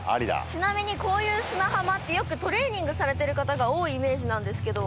ちなみにこういう砂浜ってよくトレーニングされてる方が多いイメージなんですけど。